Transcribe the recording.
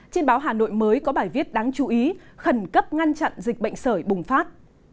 trên báo hà nội mới có bài viết đáng chú ý khẩn cấp ngăn chặn dịch bệnh sởi bùng phát